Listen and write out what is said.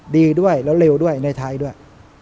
ดีด้วยแล้วเร็วด้วยในไทยด้วย